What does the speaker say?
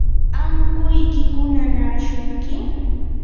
¿ankuykiku nanaashunki?